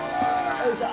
よいしょ。